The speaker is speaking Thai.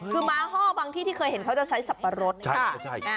คือม้าห้อบางที่ที่เคยเห็นเขาจะใช้สับปะรดใช่